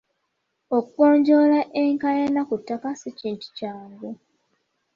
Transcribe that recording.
Okugonjoola enkaayana ku ttaka si kintu kyangu.